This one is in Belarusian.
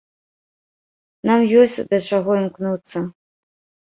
Нам ёсць да чаго імкнуцца.